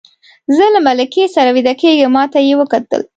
زه له ملکې سره ویده کېږم، ما ته یې وکتل.